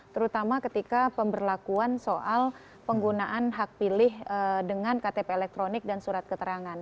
terutama ketika pemberlakuan soal penggunaan hak pilih dengan ktp elektronik dan surat keterangan